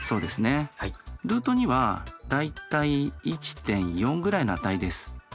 ルート２は大体１．４ぐらいの値です。